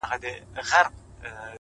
و خوږ زړگي ته مي’